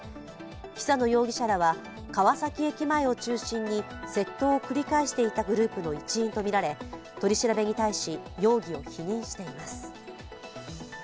久野容疑者らは、川崎駅前を中心に窃盗を繰り返していたグループの一員とみられ取り調べに対し、容疑を否認しています。